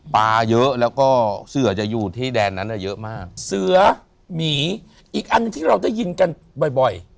เยอะแล้วก็เสือจะอยู่ที่แดนนั้นอ่ะเยอะมากเสือหมีอีกอันหนึ่งที่เราได้ยินกันบ่อยบ่อย